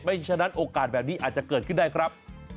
ฉะนั้นโอกาสแบบนี้อาจจะเกิดขึ้นได้ครับ